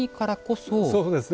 そうですね。